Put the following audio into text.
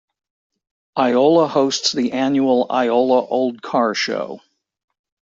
Iola hosts the annual Iola Old Car Show.